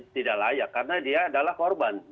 tidak layak karena dia adalah korban